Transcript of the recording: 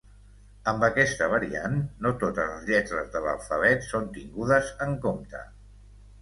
Amb aquesta variant, no totes les lletres de l'alfabet són tingudes en compte.